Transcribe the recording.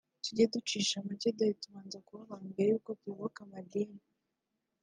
tujye ducisha make dore tubanza kuba abantu mbere yo kuyoboka amadini